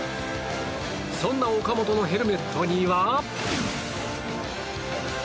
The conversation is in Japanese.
そんな岡本のヘルメットには。